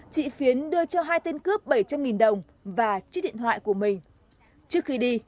chị phiến đưa cho hai tên cướp bảy trăm linh đồng và chiếc điện thoại của mình trước khi đi